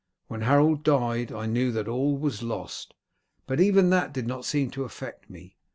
When Harold died I knew that all was lost, but even that did not seem to affect me.